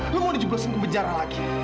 lu mau dijublosin ke benjara lagi